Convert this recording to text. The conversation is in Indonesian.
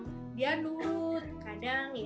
tapi ya gimana namanya juga harus dibiasakan